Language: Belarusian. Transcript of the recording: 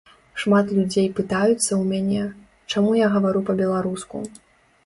Шмат людзей пытаюцца ў мяне, чаму я гавару па-беларуску.